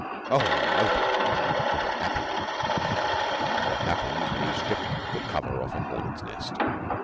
'Oh, noble! And what happened?' 'What happens when you strip the cover off a hornet's nest?